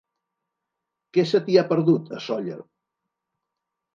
Què se t'hi ha perdut, a Sóller?